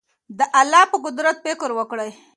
د الله په قدرت فکر وکړئ.